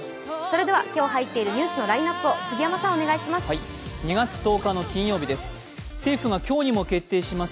今日入っているニュースのラインナップを杉山さん、お願いします。